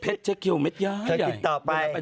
เผ็ดเจ๊เกียวเม็ดย้ายยาย